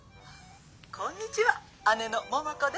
こんにちは姉の桃子です。